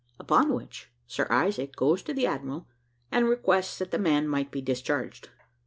Upon which, Sir Isaac goes to the admiral, and requests that the man might be discharged.